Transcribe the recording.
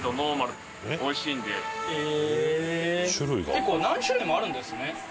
結構何種類もあるんですね。